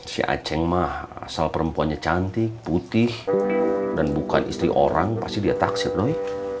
si aceh mah asal perempuannya cantik putih dan bukan istri orang pasti dia taksir dong ya